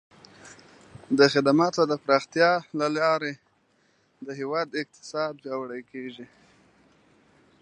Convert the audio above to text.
د خدماتو د پراختیا له لارې د هیواد اقتصاد پیاوړی کیږي.